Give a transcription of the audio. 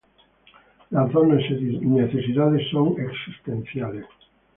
Las dos necesidades son existenciales.